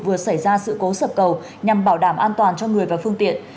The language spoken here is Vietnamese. vừa xảy ra sự cố sập cầu nhằm bảo đảm an toàn cho người và phương tiện